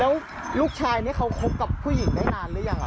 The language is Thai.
แล้วลูกชายนี่เขาคบกับผู้หญิงได้นานหรือยัง